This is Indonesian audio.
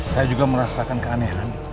saya juga merasakan keanehan